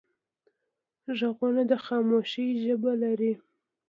غوږونه د خاموشۍ ژبه لري